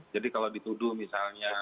jadi kalau dituduh misalnya